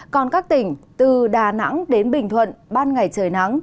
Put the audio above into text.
còn các tỉnh từ đà nẵng đến bình thuận ban ngày trời nắng